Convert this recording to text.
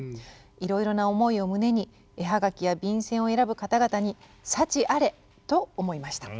いろいろな思いを胸に絵はがきや便せんを選ぶ方々に幸あれと思いました」。